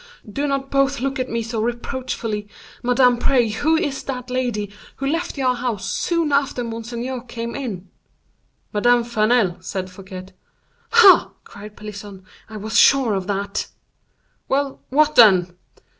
do not both look at me so reproachfully. Madame, pray who is that lady who left your house soon after monseigneur came in?" "Madame Vanel," said Fouquet. "Ha!" cried Pelisson, "I was sure of that." "Well! what then?"